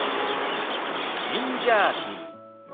ジンジャーティー。